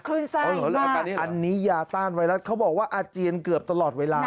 อันนี้ยาต้านไวรัสเขาบอกว่าอาเจียนเกือบตลอดเวลา